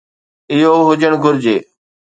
اهو هجڻ گهرجي.